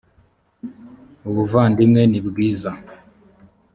ubuvandimwe ni bwiza